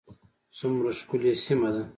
څومره ښکلې سیمه ده